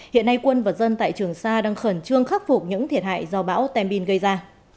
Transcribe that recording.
hiện nay quân và dân tại trường sa đang khẩn trương khắc phục những thiệt hại do bão tem bin gây ra